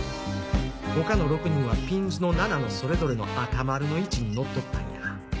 他の６人はピンズの７のそれぞれの赤丸の位置に乗っとったんや。